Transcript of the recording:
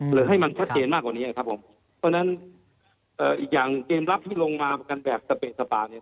หรือให้มันชัดเจนมากกว่านี้ครับผมเพราะฉะนั้นเอ่ออีกอย่างเกมรับที่ลงมากันแบบสเปะสปาเนี่ย